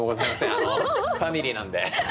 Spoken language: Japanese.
あのファミリーなんで。